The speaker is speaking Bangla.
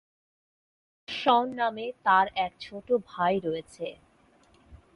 শন নামে তার এক ছোট ভাই রয়েছে।